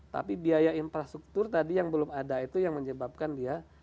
tapi biaya infrastruktur tadi yang belum ada itu yang menyebabkan dia